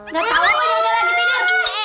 gak tau kan yang lagi tidur